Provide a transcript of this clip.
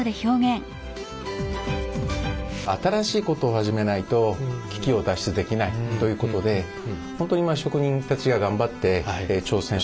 新しいことを始めないと危機を脱出できないということで本当に職人たちが頑張って挑戦してくれたんですね。